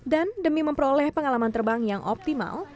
dan demi memperoleh pengalaman terbang yang optimal